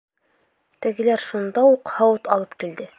Тегеләр шунда уҡ һауыт алып килде.